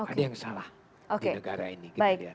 ada yang salah di negara ini